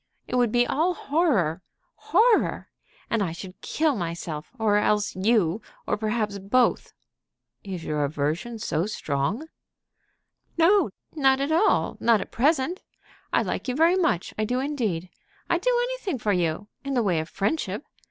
It would be all horror, horror. I should kill myself, or else you, or perhaps both." "Is your aversion so strong?" "No, not at all; not at present. I like you very much. I do indeed. I'd do anything for you in the way of friendship.